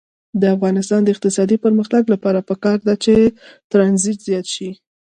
د افغانستان د اقتصادي پرمختګ لپاره پکار ده چې ترانزیت زیات شي.